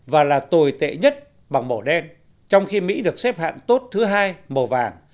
và là tồi tệ nhất bằng màu đen trong khi mỹ được xếp hạng tốt thứ hai màu vàng